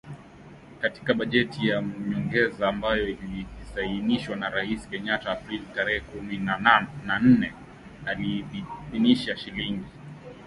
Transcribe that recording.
Katika bajeti ya nyongeza ambayo ilisainiwa na Rais Kenyatta Aprili tarehe kumi na nne, aliidhinisha shilingi bilioni thelathini na nne.